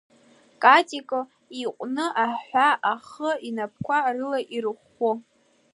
Катико иҟәну аҳәа ахы инапқәа рыла ирыӷәӷәо.